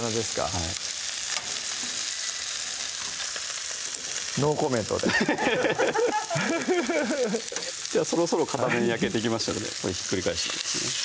はいノーコメントでそろそろ片面焼けてきましたのでひっくり返していきますね